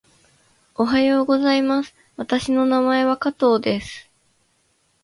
おはようございます。私の名前は加藤です。